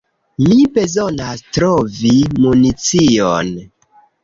Mi bezonas trovi municion.